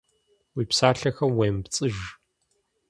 Уи псалъэхэм уемыпцӏыж.